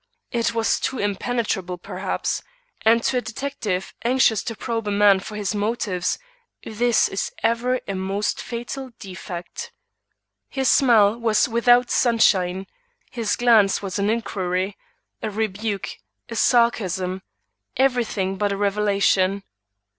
It was too impenetrable perhaps; and to a detective anxious to probe a man for his motives, this is ever a most fatal defect. His smile was without sunshine; his glance was an inquiry, a rebuke, a sarcasm, every thing but a revelation.